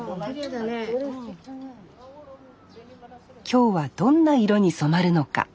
今日はどんな色に染まるのか。